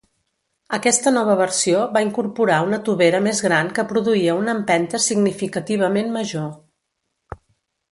Aquesta nova versió va incorporar una tovera més gran que produïa una empenta significativament major.